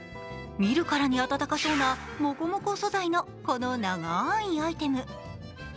見るからに温かそうなモコモコ素材の長いアイテム。